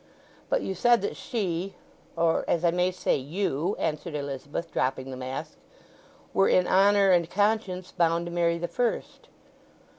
"But you said that she—or as I may say you"—answered Elizabeth, dropping the mask, "were in honour and conscience bound to marry the first?"